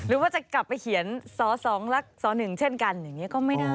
หรือว่าจะกลับไปเขียนส๒ส๑เช่นกันอย่างนี้ก็ไม่ได้